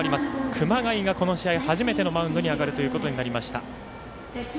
熊谷が、この試合初めてのマウンドに上がることになりました。